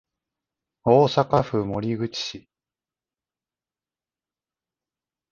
大阪府守口市